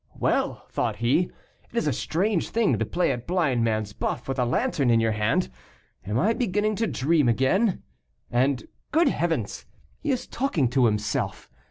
"Well!" thought he, "it is a strange thing to play at blind man's buff with a lantern in your hand. Am I beginning to dream again? And, good heavens! he is talking to himself.